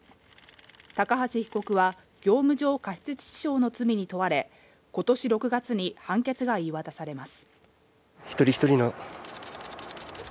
高橋被告は業務上過失致死傷の罪に問われ、今年６月に判決が言い渡されます。